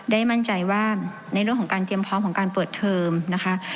มั่นใจว่าในเรื่องของการเตรียมพร้อมของการเปิดเทอมนะคะ